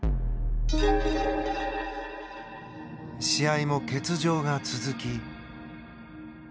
試合も欠場が続き。